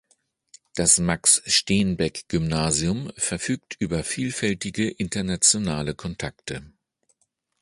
Das Max-Steenbeck-Gymnasium verfügt über vielfältige internationale Kontakte.